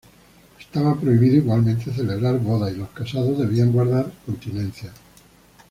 Estaba prohibido igualmente celebrar bodas y los casados debían guardar continencia.